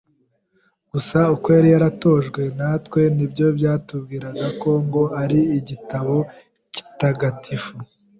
gusa uko yari yaratojwe, natwe nibyo yatubwiraga ko ngo ari igitabo gitagatifu